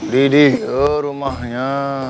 lidih ya rumahnya